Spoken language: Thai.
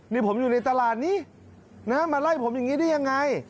นี่ผมอยู่ในตลาดนี้นะมาไล่ผมอย่างนี้ได้ยังไง